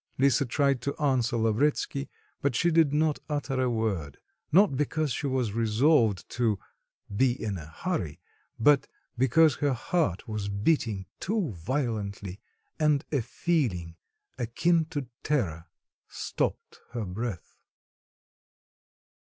Lisa tried to answer Lavretsky, but she did not utter a word not because she was resolved to "be in a hurry," but because her heart was beating too violently and a feeling, akin to terror, stopped her breath.